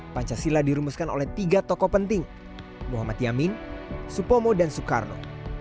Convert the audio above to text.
pancasila dirumuskan oleh tiga tokoh penting muhammad yamin supomo dan soekarno